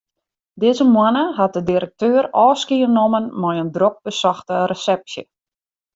Dizze moanne hat de direkteur ôfskie nommen mei in drok besochte resepsje.